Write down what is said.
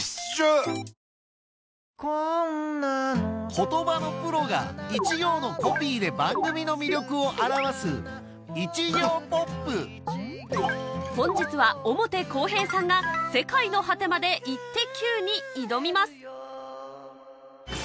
言葉のプロが一行のコピーで番組の魅力を表す本日は表公平さんが『世界の果てまでイッテＱ！』に挑みます・ハハハ！